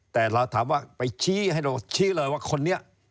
แต่เราถามว่าไปชี้ให้ดูชี้เลยว่าคนนี้